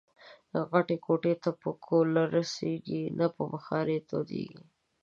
غټي کوټې نه په کولرسړېږي ، نه په بخارۍ تودېږي